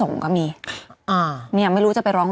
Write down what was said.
อืมใช่